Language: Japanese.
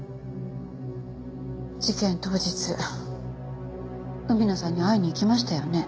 事件当日海野さんに会いに行きましたよね？